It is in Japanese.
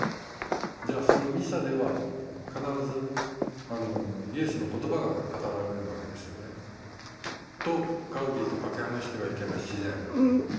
じゃあそのミサでは必ずイエスの言葉が語られるわけですよね。とガウディとかけ離してはいけない自然。